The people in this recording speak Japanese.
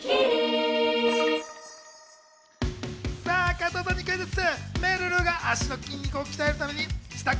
加藤さんにクイズッス！